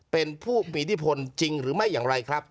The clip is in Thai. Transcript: เป็นผู้มีอิทธิพลจริงหรือไม่อย่างไรครับ